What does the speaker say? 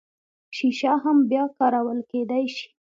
شیشه هم بیا کارول کیدی شي